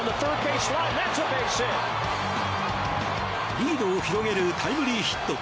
リードを広げるタイムリーヒット。